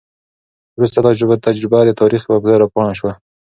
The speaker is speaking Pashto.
وروسته دا تجربه د تاریخ یوه توره پاڼه شوه.